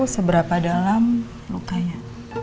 seberapa dalam lukanya